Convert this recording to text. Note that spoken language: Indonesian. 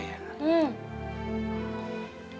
kamu tuh lucu banget sih